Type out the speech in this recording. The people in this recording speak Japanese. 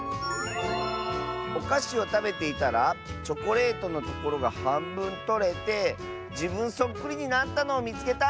「おかしをたべていたらチョコレートのところがはんぶんとれてじぶんそっくりになったのをみつけた！」。